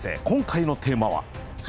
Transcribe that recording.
今回のテーマは？